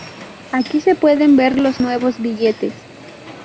Aquí se pueden ver los nuevos billetes.